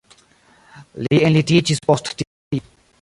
Li enlitiĝis post tio.